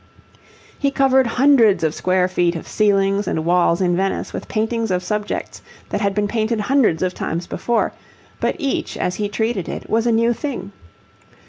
He covered hundreds of square feet of ceilings and walls in Venice with paintings of subjects that had been painted hundreds of times before; but each as he treated it was a new thing.